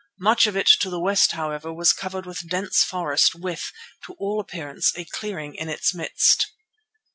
Much of it to the west, however, was covered with dense forest with, to all appearance, a clearing in its midst.